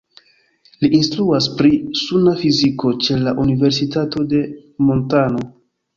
Li instruas pri suna fiziko ĉe la Universitato de Montano.